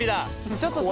ちょっとさ